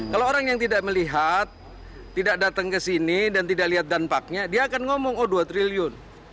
kalau orang yang tidak melihat tidak datang ke sini dan tidak lihat dampaknya dia akan ngomong oh dua triliun